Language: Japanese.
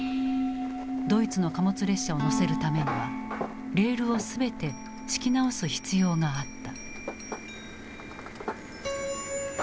ドイツの貨物列車をのせるためにはレールを全て敷き直す必要があった。